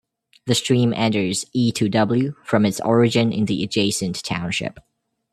The stream enters E-to-W from its origin in the adjacent township.